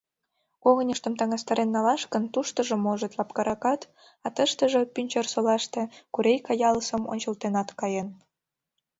Когыньыштым таҥастарен налаш гын, туштыжо, можыт, лапкаракат, а тыштыже, Пӱнчерсолаште, Курейка ялысым ончылтенат каен.